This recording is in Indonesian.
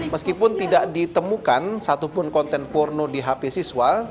meskipun tidak ditemukan satupun konten porno di hp siswa